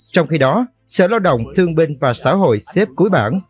trong khi đó sở lao động thương binh và xã hội xếp cuối bảng